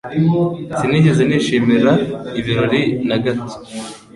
Sinigeze nishimira ibirori na gato